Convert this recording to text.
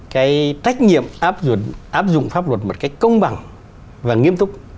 cái trách nhiệm áp dụng pháp luật một cách công bằng và nghiêm túc